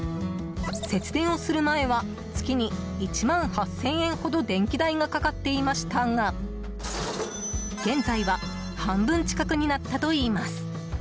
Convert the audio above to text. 節電をする前は月に１万８０００円ほど電気代がかかっていましたが現在は半分近くになったといいます。